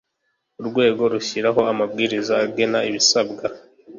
urwego rushyiraho amabwiriza agena ibisabwa